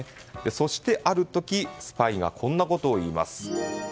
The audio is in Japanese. そしてある時スパイがこんなことを言います。